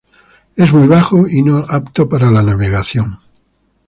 Es muy bajo y no apto para la navegación.